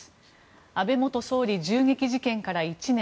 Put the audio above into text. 安倍元総理銃撃事件から１年。